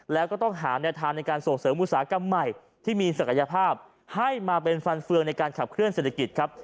แล้วก็ต้องหาแนวทางในการส่งเสริมอุตสาหกรรมใหม่ที่มีศักยภาพให้มาเป็นฟันเฟืองในการขับเคลื่อเศรษฐกิจครับ